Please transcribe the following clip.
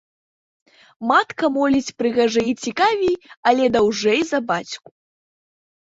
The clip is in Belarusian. Матка моліць прыгажэй і цікавей, але даўжэй за бацьку.